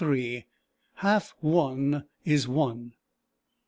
HALF ONE IS ONE.